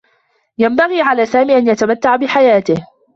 ينبغي على سامي أن يتمتّع بحياته.